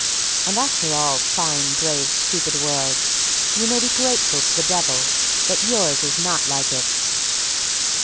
And after all, fine, brave, stupid world, you may be grateful to the Devil that yours is not like it.